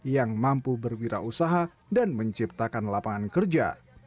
yang mampu berwirausaha dan menciptakan lapangan kerja